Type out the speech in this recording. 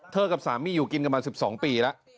กับสามีอยู่กินกันมา๑๒ปีแล้ว